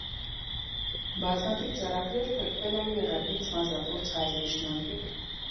Բազմաթիվ ձեռագրեր փրկվել են եղեռնից մազապուրծ հայերի շնորհիվ։